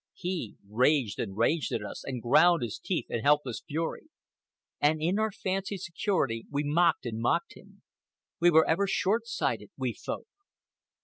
He raged and raged at us, and ground his teeth in helpless fury. And in our fancied security we mocked and mocked him. We were ever short sighted, we Folk.